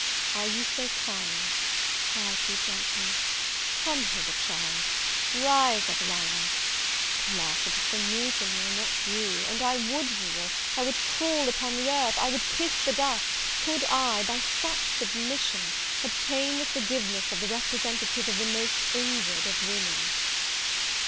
"Are you so kind?" cried he, gently; "come hither, child; rise, Evelina: Alas, it is for me to kneel, not you; and I would kneel, I would crawl upon the earth, I would kiss the dust, could I, by such submission, obtain the forgiveness of the representative of the most injured of women!"